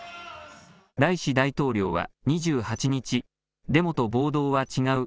ライシ大統領は２８日、デモと暴動は違う。